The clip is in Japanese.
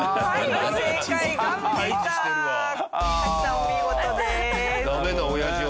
お見事です。